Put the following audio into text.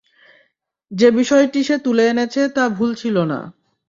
যে বিষয়টি সে তুলে এনেছে তা ভুল ছিল না।